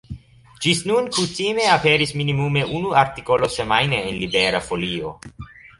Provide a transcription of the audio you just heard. Ĝis nun kutime aperis minimume unu artikolo semajne en Libera Folio.